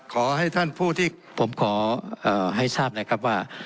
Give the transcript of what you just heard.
ขอให้ท่านผู้ที่ผมขอให้ทราบนะครับว่า